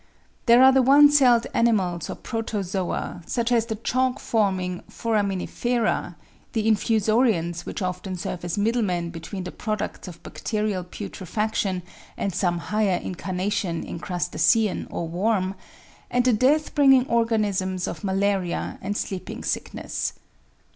There are the one celled animals or Protozoa, such as the chalk forming Foraminifera, the Infusorians which often serve as middlemen between the products of bacterial putrefaction and some higher incarnation in crustacean or worm, and the death bringing organisms of malaria and sleeping sickness.